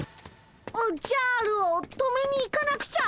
おっじゃるを止めに行かなくちゃ！